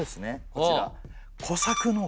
こちら。